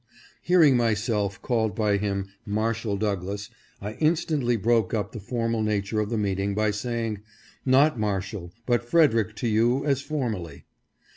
Hearing my seld called by him "Marshal Douglass," I instantly broke up the formal nature of the meeting by saying, " not Marshal, but Frederick to you as formerly."